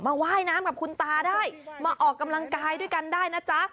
ว่ายน้ำกับคุณตาได้มาออกกำลังกายด้วยกันได้นะจ๊ะ